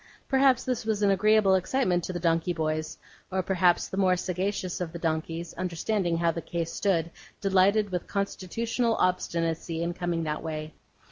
Perhaps this was an agreeable excitement to the donkey boys; or perhaps the more sagacious of the donkeys, understanding how the case stood, delighted with constitutional obstinacy in coming that way.